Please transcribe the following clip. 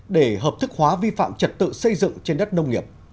để hợp thức hóa vi phạm trật tự xây dựng trên đất nông nghiệp